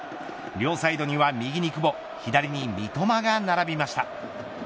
両サイドには右に久保左に三笘が並びました。